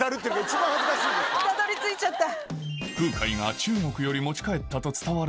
たどり着いちゃった。